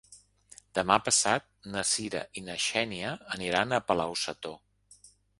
Demà passat na Cira i na Xènia aniran a Palau-sator.